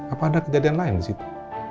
apa ada kejadian lain di situ